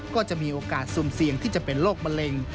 ก็จะมีโอกาสสุ่มเสี่ยงที่จะเป็นโรคมะเร็ง